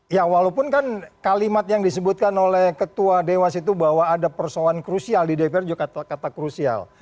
ya walaupun kan kalimat yang disebutkan oleh ketua dewas itu bahwa ada persoalan krusial di dpr juga kata krusial